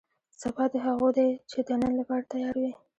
سبا دې هغو دی چې د نن لپاره تیار وي.